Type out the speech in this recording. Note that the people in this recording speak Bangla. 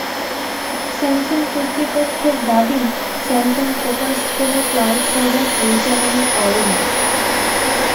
স্যামসাং কর্তৃপক্ষের দাবি, স্যামসাং ফোকাস কোনো ক্লাউড সার্ভার পরিচালনা করে না।